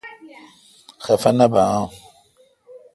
خفہ نہ بہ اؘ۔